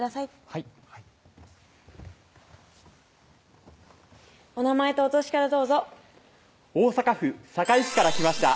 はいお名前とお歳からどうぞ大阪府堺市から来ました